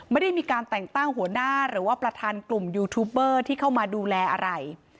ไม่ได้มีการแต่งตั้งหัวหน้าหรือว่าประธานกลุ่มยูทูบเบอร์ที่เข้ามาดูแลอะไร